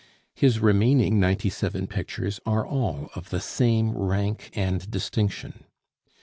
His remaining ninety seven pictures are all of the same rank and distinction.